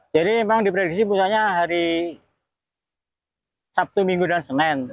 jadi memang diprediksi misalnya hari sabtu minggu dan senin